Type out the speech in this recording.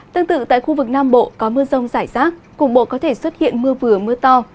tương tự tại khu vực nam bộ có mưa rông rải rác cục bộ có thể xuất hiện mưa vừa mưa to